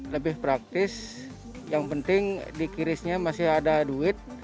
lebih praktis yang penting di kirisnya masih ada duit